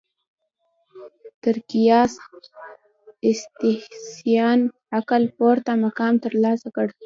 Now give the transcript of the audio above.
تر قیاس استحسان عقل پورته مقام ترلاسه کړ